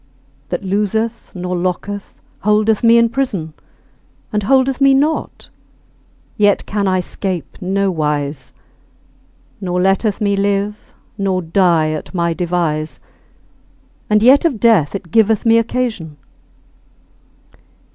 That loseth nor locketh holdeth me in prison, And holdeth me not, yet can I 'scape nowise; Nor letteth me live nor die at my devise, And yet of death it giveth me occasion.